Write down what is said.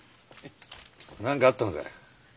何かあったのか？